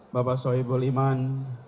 bapak soebol iman